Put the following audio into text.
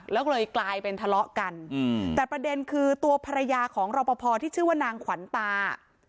แล้วก็เลยกลายเป็นทะเลาะกันแต่ประเด็นคือตัวภรรยาของรอปภที่ชื่อว่านางขวัญตา